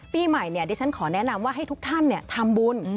ปีใหม่ดิฉันขอแนะนำว่าให้ทุกท่านทำบุญ